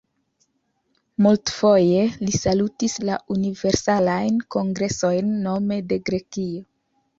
Multfoje li salutis la Universalajn Kongresojn nome de Grekio.